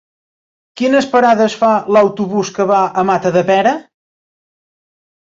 Quines parades fa l'autobús que va a Matadepera?